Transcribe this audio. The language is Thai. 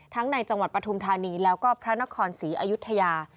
ในจังหวัดปฐุมธานีแล้วก็พระนครศรีอยุธยา